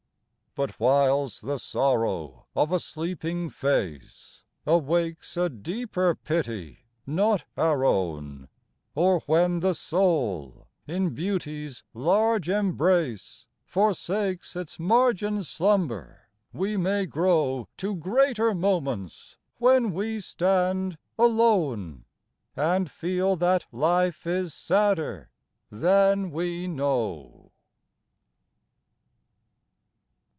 But whiles the sorrow of a sleeping face Awakes a deeper pity not our own, Or when the soul in Beauty's large embrace Forsakes its margined slumber, we may grow To greater moments, when we stand alone And feel that life is sadder than we know.